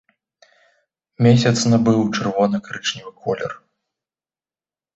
Месяц набыў чырвона-карычневы колер.